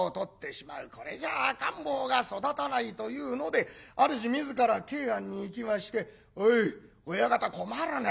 これじゃ赤ん坊が育たないというので主自ら桂庵に行きまして「おい親方困るね。